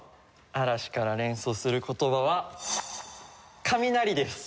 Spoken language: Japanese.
「嵐」から連想する言葉は「雷」です。